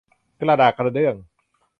กระดากกระเดื่อง